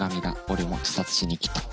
俺も自殺しに来た。